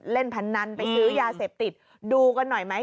เล่นพนันไปซื้อยาเสพติดดูกันหน่อยไหม